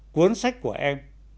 cuốn sách của em